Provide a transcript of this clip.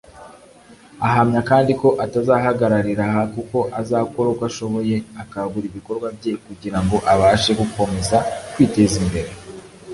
Ahamya kandi ko atazahagararira aha kuko azakora uko ashoboye akagura ibikorwa bye kugira ngo abashe gukomeza kwiteza imbere